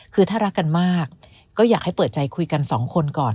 คือถ้ารักกันมากก็อยากให้เปิดใจคุยกันสองคนก่อน